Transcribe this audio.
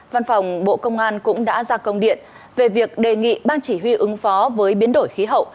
văn phòng bộ công an cũng đã ra công điện về việc đề nghị ban chỉ huy ứng phó với biến đổi khí hậu